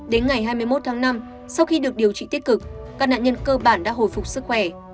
đến ngày hai mươi một tháng năm sau khi được điều trị tích cực các nạn nhân cơ bản đã hồi phục sức khỏe